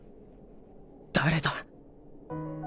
誰だ？